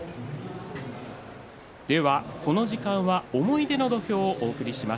この時間は「思い出の土俵」をお送りします。